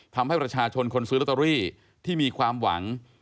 ทำให้ประชาชนคนซื้อลอตเตอรี่ที่มีความหวัง